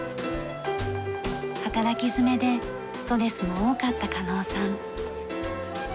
働き詰めでストレスも多かった狩野さん。